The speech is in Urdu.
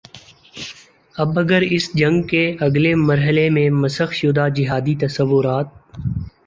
اب اگر اس جنگ کے اگلے مرحلے میں مسخ شدہ جہادی تصورات